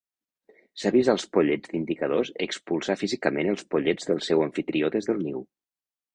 S'ha vist als pollets d'indicadors expulsar físicament els pollets del seu amfitrió des del niu.